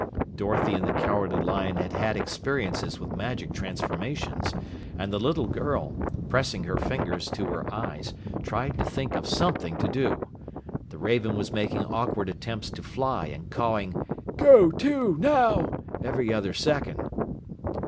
Dorothy and the Cowardly Lion had had experiences with magic transformations, and the little girl, pressing her fingers to her eyes, tried to think of something to do. The raven was making awkward attempts to fly and cawing "Go to, now!" every other second.